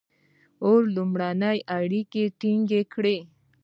• اور لومړنۍ اړیکې ټینګې کړې.